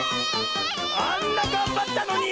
あんながんばったのに！